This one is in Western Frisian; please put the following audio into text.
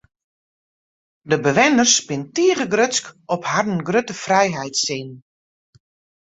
De bewenners binne tige grutsk op harren grutte frijheidssin.